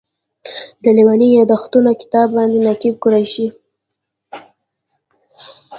د لېوني یادښتونو کتاب باندې نقیب قریشي.